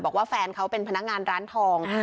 บอกว่าแฟนเขาเป็นพนักงานร้านทอง